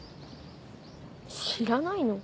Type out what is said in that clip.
知らないの？